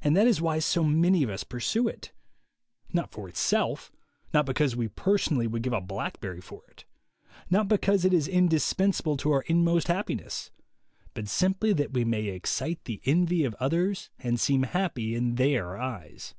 And that is why so many of us pursue it — not for itself, not because we personally would give a blackberry for it, not because it is indispensable to our inmost happiness, but simply that we may excite the envy of others and seem happy in their eyes.